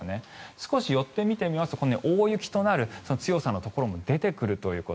少し寄って見てみますと大雪となる強さのところも出てくるということ。